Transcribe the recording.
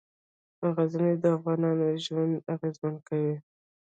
غزني د افغانانو ژوند اغېزمن کوي.